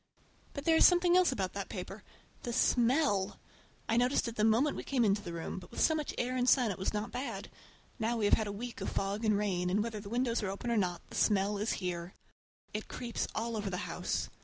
But there is something else about that paper—the smell! I noticed it the moment we came into the room, but with so much air and sun it was not bad. Now we have had a week of fog and rain, and whether the windows are open or not, the smell is here. It creeps all over the house.